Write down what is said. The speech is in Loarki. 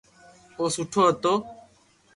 او سٺو ھتو